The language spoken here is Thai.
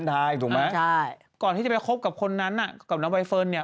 ส่งกุญแจรถฟอร์ตของกุญแจรถมะคืนด้วย